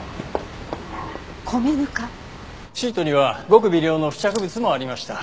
シートにはごく微量の付着物もありました。